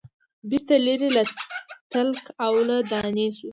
بیرته لیري له تلک او له دانې سو